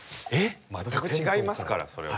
全く違いますからそれは。